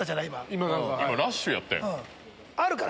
今ラッシュやったよ。